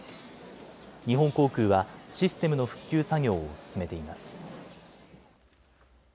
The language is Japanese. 日本航空はシステムの復旧作業を進めています。